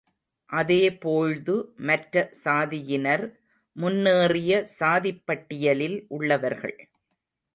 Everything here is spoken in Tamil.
அதே போழ்து மற்ற சாதியினர் முன்னேறிய சாதிப்பட்டியலில் உள்ளவர்கள்!